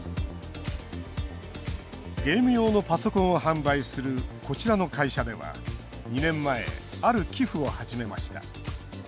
ゲーム用のパソコンを販売するこちらの会社では２年前、ある寄付を始めました